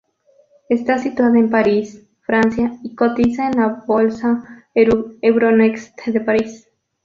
Está situada en París, Francia, y cotiza en la Bolsa Euronext de París.